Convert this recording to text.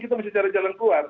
kita mesti cari jalan keluar